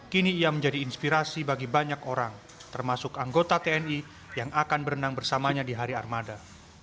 kini ia menjadi inspirasi bagi banyak orang termasuk anggota tni yang akan berenang bersamanya di hari armada